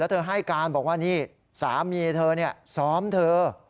เธอให้การบอกว่านี่สามีเธอซ้อมเธอ